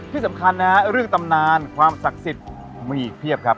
ที่สำคัญนะฮะเรื่องตำนานความศักดิ์สิทธิ์มีอีกเพียบครับ